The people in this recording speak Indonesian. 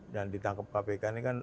ditangkap kpk ini kan